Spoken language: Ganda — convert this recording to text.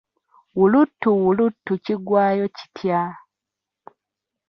Wulutuwulutu kiggwayo kitya?